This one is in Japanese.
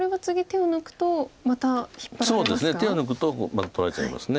手を抜くとまた取られちゃいます。